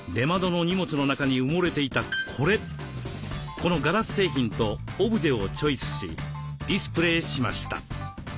このガラス製品とオブジェをチョイスしディスプレーしました。